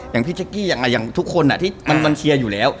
อย่างพี่เจ๊กกี้อย่างทุกคนที่มันเชียร์อยู่แล้ว